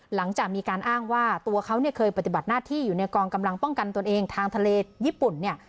หลังจากมีการอ้างว่าตัวเขาเนี่ยเคยปฏิบัติหน้าที่อยู่ในกองกำลังป้องกันตนเองทางทะเลญี่ปุ่นเนี่ย